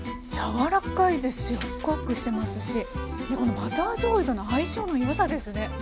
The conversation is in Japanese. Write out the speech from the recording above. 柔らかいですしホクホクしてますしこのバターじょうゆとの相性のよさですね。